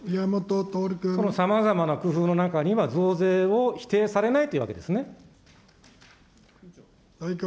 さまざまな工夫の中には、増税を否定されないというわけですね。